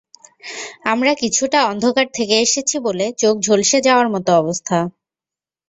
আমরা কিছুটা অন্ধকার থেকে এসেছি বলে চোখ ঝলসে যাওয়ার মতো অবস্থা।